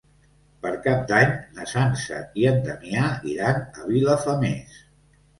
Per Cap d'Any na Sança i en Damià iran a Vilafamés.